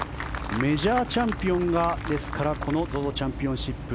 メジャーチャンピオンがですからこのＺＯＺＯチャンピオンシップ